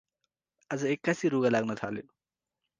अाज एक्कासि रुघा लाग्न थाल्यो ।